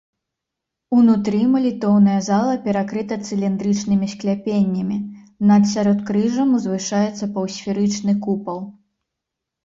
Унутры малітоўная зала перакрыта цыліндрычнымі скляпеннямі, над сяродкрыжжам узвышаецца паўсферычны купал.